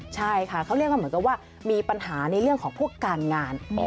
ใช่ค่ะเขาเรียกว่าเหมือนกับว่ามีปัญหาในเรื่องของพวกการงาน